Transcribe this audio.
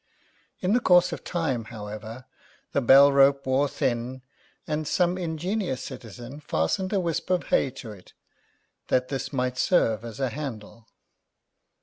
In the course of time, however, the bell rope wore thin, and some ingenious citizen fastened a wisp of hay to it, that this might serve as a handle.